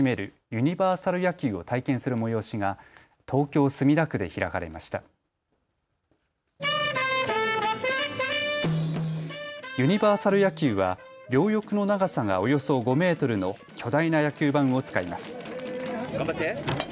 ユニバーサル野球は両翼の長さがおよそ５メートルの巨大な野球盤を使います。